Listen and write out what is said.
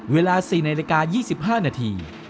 เวลา๔นาฬิกา๒๕นาที